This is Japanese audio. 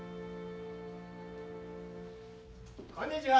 ・こんにちは。